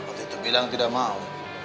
waktu itu bilang tidak mau